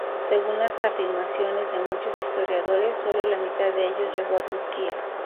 Según las afirmaciones de muchos historiadores, sólo la mitad de ellos llegó a Turquía.